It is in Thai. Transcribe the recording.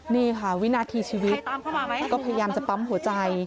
นี่ค่ะวินาทีชีวิตก็พยายามจะปั๊มหัวใจ